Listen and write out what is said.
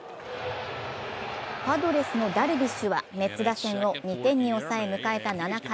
パドレスのダルビッシュはメッツ打線を２点に抑え、迎えた７回。